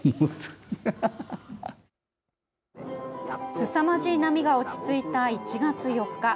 すさまじい波が落ち着いた１月４日。